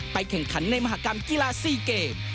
แข่งขันในมหากรรมกีฬา๔เกม